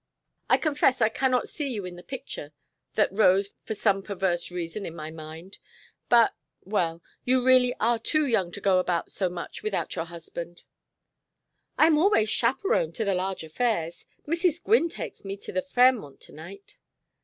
"I confess I cannot see you in the picture that rose for some perverse reason in my mind; but well, you really are too young to go about so much without your husband " "I am always chaperoned to the large affairs. Mrs. Gwynne takes me to the Fairmont to night."